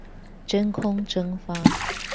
真空蒸發